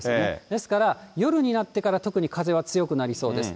ですから、夜になってから特に風は強くなりそうです。